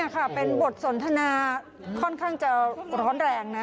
ค่ะเป็นบทสนทนาค่อนข้างจะร้อนแรงนะ